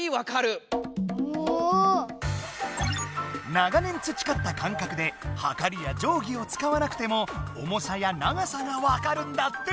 長年つちかったかんかくではかりやじょうぎを使わなくても「重さ」や「長さ」がわかるんだって。